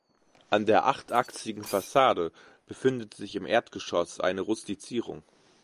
An der achtachsigen Fassade befindet sich im Erdgeschoss eine Rustizierung.